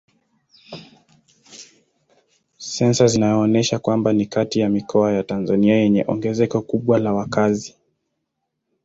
Sensa zinaonyesha kwamba ni kati ya mikoa ya Tanzania yenye ongezeko kubwa la wakazi.